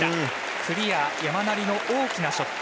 クリア山なりの大きなショット。